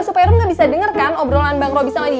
supaya lo gak bisa denger kan obrolan bang robi sama dia